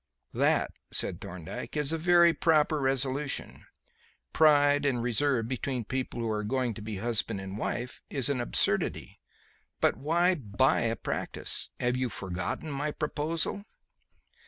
"That," said Thorndyke, "is a very proper resolution. Pride and reserve between people who are going to be husband and wife, is an absurdity. But why buy a practice? Have you forgotten my proposal?"